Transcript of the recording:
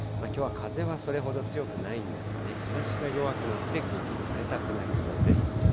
きょうは風はそれほど強くないんですがね、日ざしが弱くなって、空気冷たくなりそうです。